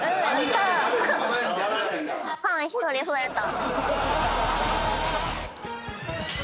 ファン１人増えた。